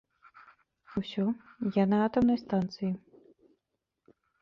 Усё, я на атамнай станцыі!